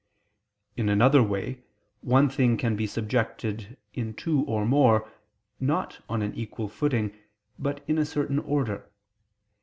In another way one thing can be subjected in two or more, not on an equal footing, but in a certain order.